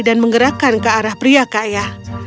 dan menggerakkan ke arah pria kaya